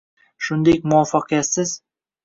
Shuningdek, muvaffaqiyatsiz